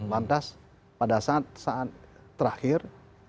lantas pada saat terakhir